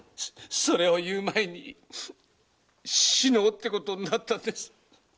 それを言う前に“死のう”ってことになったんです。